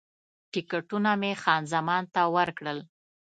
ټکټونه مې خان زمان ته ورکړل.